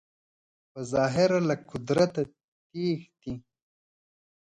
په ظاهره له قدرته تښتي